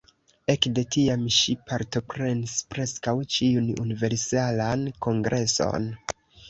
Ekde tiam ŝi partoprenis preskaŭ ĉiun Universalan Kongreson.